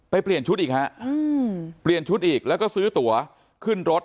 ไปเปลี่ยนชุดอำพรางอัลแล้วก็ซื้อตั๋วขึ้นรถ